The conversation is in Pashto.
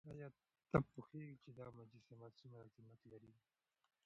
ایا ته پوهېږې چې دا مجسمه څومره قیمت لري؟